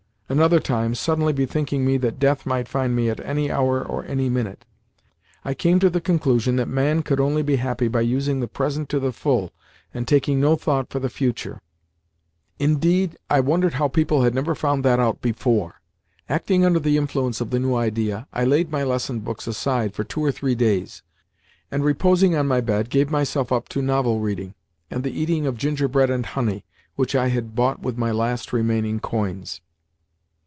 Another time, suddenly bethinking me that death might find me at any hour or any minute, I came to the conclusion that man could only be happy by using the present to the full and taking no thought for the future. Indeed, I wondered how people had never found that out before. Acting under the influence of the new idea, I laid my lesson books aside for two or three days, and, reposing on my bed, gave myself up to novel reading and the eating of gingerbread and honey which I had bought with my last remaining coins.